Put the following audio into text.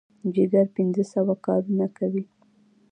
جګر پنځه سوه کارونه کوي.